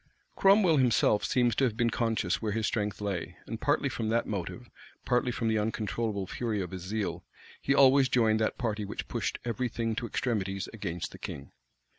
Cromwell himself seems to have been conscious where his strength lay; and partly from that motive, partly from the uncontrollable fury of his zeal, he always joined that party which pushed every thing to extremities against the king.